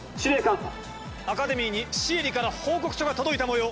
アカデミーにシエリから報告書が届いたもよう！